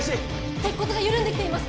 鉄骨が緩んできています